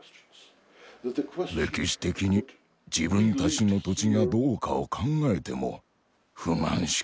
歴史的に自分たちの土地かどうかを考えても不満しか生みません。